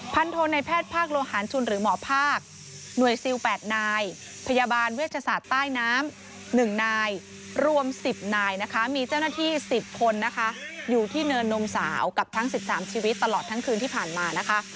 โทในแพทย์ภาคโลหารชุนหรือหมอภาคหน่วยซิล๘นายพยาบาลเวชศาสตร์ใต้น้ำ๑นายรวม๑๐นายนะคะมีเจ้าหน้าที่๑๐คนนะคะอยู่ที่เนินนมสาวกับทั้ง๑๓ชีวิตตลอดทั้งคืนที่ผ่านมานะคะ